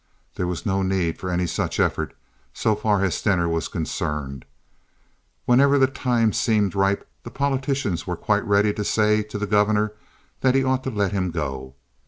There was no need of any such effort, so far as Stener was concerned; whenever the time seemed ripe the politicians were quite ready to say to the Governor that he ought to let him go.